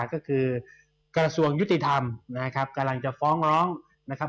ก็คือกระทรวงยุติธรรมนะครับกำลังจะฟ้องร้องนะครับ